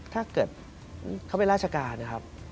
ถ้าเกิดเขาเป็นราชการนะครับ